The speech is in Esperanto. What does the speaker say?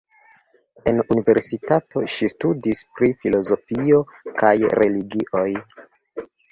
En universitato ŝi studis pri filozofio kaj religioj.